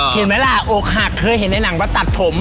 เห็นไหมล่ะอกหักเคยเห็นในหนังมาตัดผม